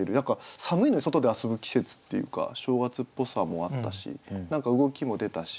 寒いのに外で遊ぶ季節っていうか正月っぽさもあったし何か動きも出たし。